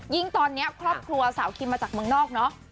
ครอบครัวสาวครีมมาจากเมืองนอกเนอะ